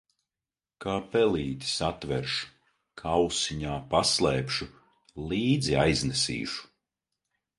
Kā pelīti satveršu, kausiņā paslēpšu, līdzi aiznesīšu.